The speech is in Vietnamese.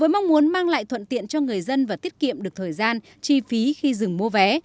với mong muốn mang lại thuận tiện cho người dân và tiết kiệm được thời gian chi phí khi dừng mua vé